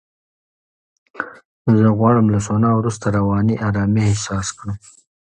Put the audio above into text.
زه غواړم له سونا وروسته رواني آرامۍ احساس کړم.